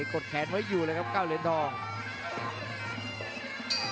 กดแขนไว้อยู่เลยครับ๙เหรียญทอง